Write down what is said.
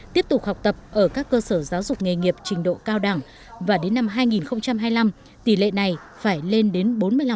tiếp tục học tập ở các cơ sở giáo dục nghề nghiệp trình độ cao đẳng và đến năm hai nghìn hai mươi năm tỷ lệ này phải lên đến bốn mươi năm